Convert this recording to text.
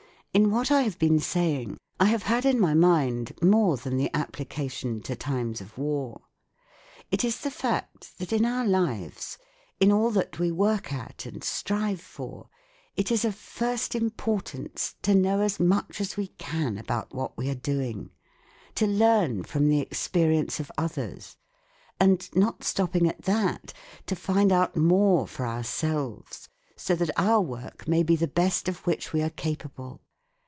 In what I have been saying I have had in my mind more than the application to times of war. It is the fact that in our lives, in all that we work at and strive for, it is of first importance to know as much as we can about what we are doing, to learn from the experi ence of others, and, not stopping at that, to find out more for ourselves, so that our work may be the best of which we are capable.